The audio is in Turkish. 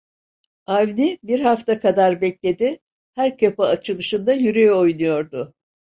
Avni bir hafta kadar bekledi, her kapı açılışında yüreği oynuyordu.